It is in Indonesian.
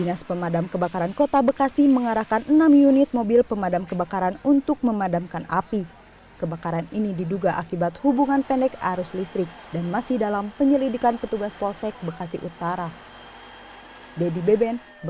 api berasal dari lantai dua toko akuarium